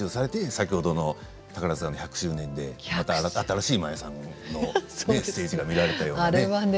先ほどの宝塚の１００周年で新しい真矢さんのステージが見られたように。